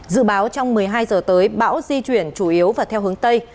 dự báo trong một mươi hai giờ tới bão di chuyển chủ yếu và theo hướng tây